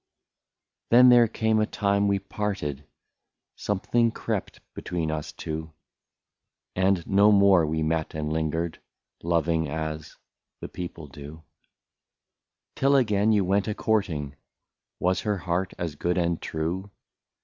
134 Then there came a time we parted, Something crept between us two, And no more we met and lingered, Loving as the people do ; Till again you went a courting, — Was her heart as good and true